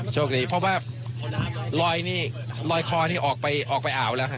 โชคดีเพราะว่าลอยนี่ลอยคอนี่ออกไปอ่าวแล้วครับ